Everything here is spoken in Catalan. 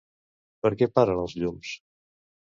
Per què paren els llums?